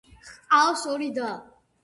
ჰყავს ორი და.